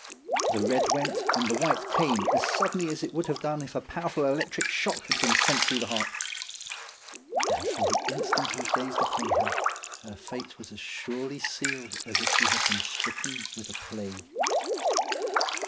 The red went and the white came as suddenly as it would have done if a powerful electric shock had been sent through the heart ; and from the instant I gazed upon her her fate was as surely sealed as if she had been stricken with a plague.